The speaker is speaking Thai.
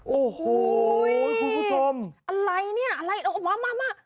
โอ้โหคุณผู้ชมอะไรเนี่ยอะไรออกมามา